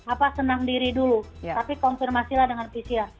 apa senang diri dulu tapi konfirmasilah dengan pcr